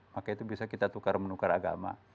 maka itu bisa kita tukar menukar agama